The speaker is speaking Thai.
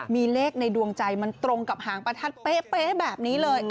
มีเลขในดวงใจมันตรงกับหางประทัดเป๊ะแบบนี้เลย